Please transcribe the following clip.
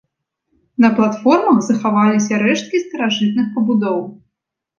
На платформах захаваліся рэшткі старажытных пабудоў.